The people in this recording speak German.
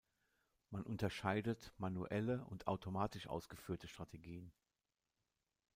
Man unterscheidet manuelle und automatisch ausgeführte Strategien.